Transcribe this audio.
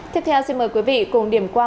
tiếp theo xin mời quý vị cùng điểm qua